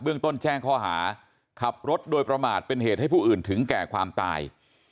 ต้นแจ้งข้อหาขับรถโดยประมาทเป็นเหตุให้ผู้อื่นถึงแก่ความตาย